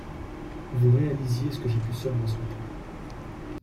Vous réalisiez ce que j'ai pu seulement souhaiter.